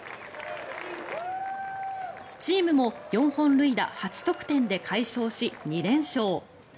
チームも４本塁打８得点で快勝し２連勝。